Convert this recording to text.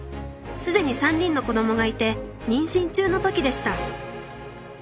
既に３人の子供がいて妊娠中の時でした。